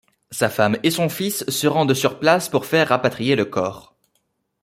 Sa femme et son fils se rendent sur place pour faire rapatrier le corps.